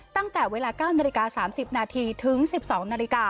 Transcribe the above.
ตั้งแต่เวลา๙น๓๐นถึง๑๒น